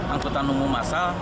angkutan umum masal